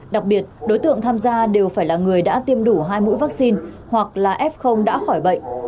đặc biệt đối tượng tham gia đều phải là người đã tiêm đủ hai mũi vaccine hoặc là f đã khỏi bệnh